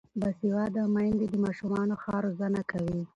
باسواده میندې د ماشومانو ښه روزنه کوي.